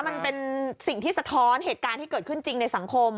มันเป็นสิ่งที่สะท้อนเหตุการณ์ที่เกิดขึ้นจริงในสังคม